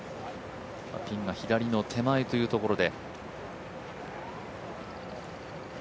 ピンが左の手前というところで。